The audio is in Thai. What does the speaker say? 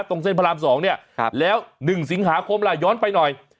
ตรงเส้นพระรามสองเนี้ยครับแล้วหนึ่งสิงหาคมล่ะย้อนไปหน่อย